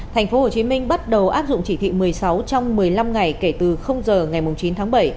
tp hcm bắt đầu áp dụng chỉ thị một mươi sáu trong một mươi năm ngày kể từ giờ ngày chín tháng bảy